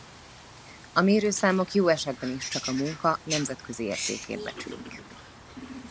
A mérőszámok jó esetben is csak a munka nemzetközi értékét becsülik.